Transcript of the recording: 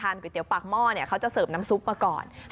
อารมณ์ของแม่ค้าอารมณ์การเสิรฟนั่งอยู่ตรงกลาง